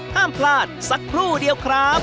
ห้ามพลาดสักครู่เดียวครับ